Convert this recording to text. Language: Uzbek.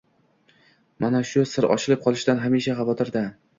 Mana shu sir ochilib qolishidan hamisha xavotirda.